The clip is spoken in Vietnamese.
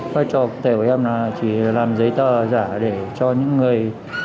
phát triệu của em là chỉ làm giấy tờ giả để cho những người